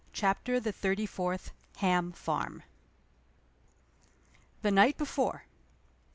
CHAPTER THE THIRTY FOURTH. THE NIGHT BEFORE.